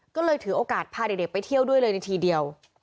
ก็เลยถือโอกาสพาเด็กไปเที่ยวด้วยเลยในทีเดียว